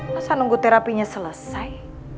masa nunggu terapinya selesai